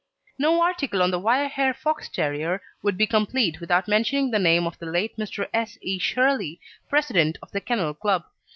No article on the wire hair Fox terrier would be complete without mentioning the name of the late Mr. S. E. Shirley, President of the Kennel Club.